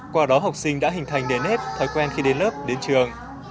qua đó học sinh đã hình thành nền nếp thói quen khi đến lớp đến trường